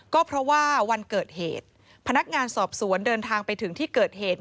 ก็เพราะว่าวันเกิดเหตุพนักงานสอบสวนเดินทางไปถึงที่เกิดเหตุ